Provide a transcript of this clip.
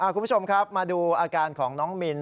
คุณผู้ชมครับมาดูอาการของน้องมิน